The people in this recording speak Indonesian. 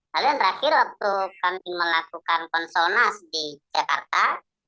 lalu yang terakhir waktu kami melakukan konsonas di jakarta